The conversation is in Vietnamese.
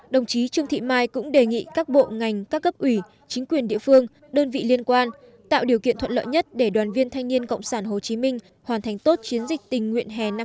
đồng chí trương thị mai cũng đề nghị các bộ ngành các cấp ủy chính quyền địa phương đơn vị liên quan tạo điều kiện thuận lợi nhất để đoàn viên thanh niên cộng sản hồ chí minh hoàn thành tốt chiến dịch tình nguyện hè năm hai nghìn hai mươi